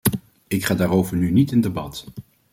Ik ga daarover nu niet in debat.